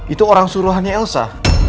itu orang suruhannya elsa